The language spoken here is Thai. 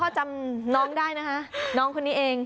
จำน้องได้นะคะน้องคนนี้เอง